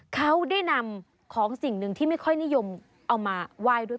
เขาได้นำของสิ่งหนึ่งที่ไม่ค่อยนิยมเอามาไหว้ด้วย